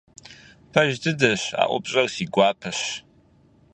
Пэж дыдэщ, а упщӀэр си гуапэщ.